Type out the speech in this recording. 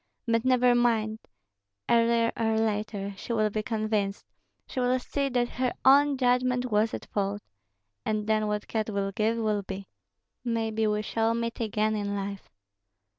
But never mind! Earlier or later she will be convinced, she will see that her own judgment was at fault. And then what God will give will be. Maybe we shall meet again in life."